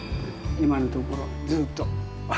今のところ、ずっと。